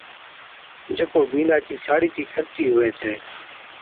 جڪو بِينڏا چِي ساڙِي چِي خرچي ھُوي ڇَي